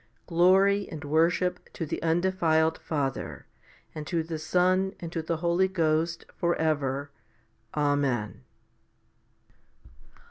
Glory and worship to the undefiled Father, and to the Son, and to the Holy Ghost for ever. Amen.